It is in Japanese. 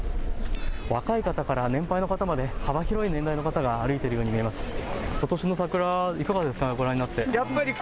若い方から年配の方まで幅広い年代の方が歩いているように見えます。